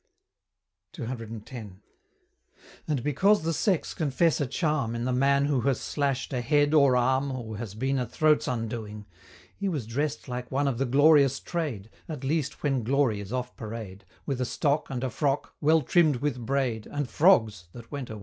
CCX. And because the Sex confess a charm In the man who has slash'd a head or arm Or has been a throat's undoing, He was dress'd like one of the glorious trade, At least when glory is off parade, With a stock, and a frock, well trimm'd with braid, And frogs that went a wooing.